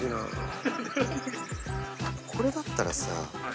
これだったらさ。